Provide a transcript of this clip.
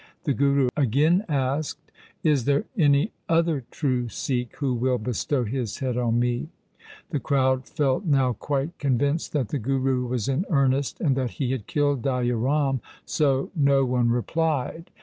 The Guru again asked, ' Is there any other true Sikh who will bestow his head on me ?' The crowd felt now quite convinced that the Guru was in earnest, and that he had killed Daya Ram, so no one replied.